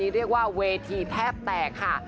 เรียกว่าเวทีแทบแตกค่ะ